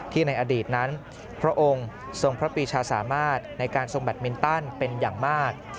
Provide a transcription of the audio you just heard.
ในอดีตนั้นพระองค์ทรงพระปีชาสามารถในการทรงแบตมินตันเป็นอย่างมาก